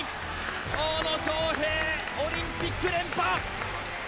大野将平、オリンピック連覇！